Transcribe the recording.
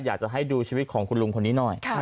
อยากจะให้ดูชีวิตของคุณลุงคนนี้หน่อย